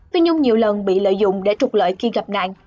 tuy nhung nhiều lần bị lợi dụng để trục lợi khi gặp nạn